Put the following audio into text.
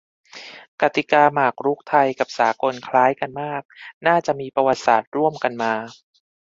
กติกาหมากรุกไทยกับสากลคล้ายกันมาก น่าจะมีประวัติศาสตร์ร่วมกันมา